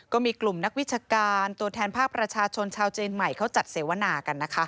ก็มีกลุ่มนักวิชาการตัวแทนภาคประชาชนชาวเจนใหม่เขาจัดเสวนากันนะคะ